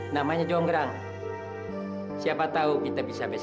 namanya jonggrang siapa tahu kita bisa besok